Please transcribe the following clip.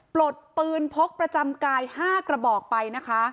ปลดปืนพกประจำกาย๕กระบอกไปนะคะ